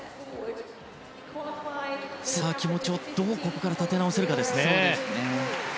気持ちをここからどう立て直せるかですね。